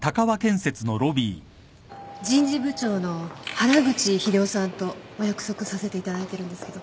人事部長の原口秀夫さんとお約束させていただいてるんですけど。